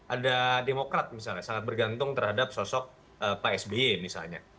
ada demokrat misalnya sangat bergantung terhadap sosok pak sby misalnya